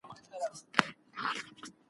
املا د تورو یو کلیدي عنصر دی.